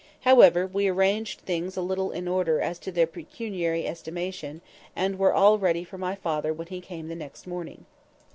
However, we arranged things a little in order as to their pecuniary estimation, and were all ready for my father when he came the next morning.